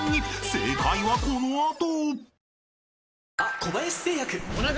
正解はこのあと］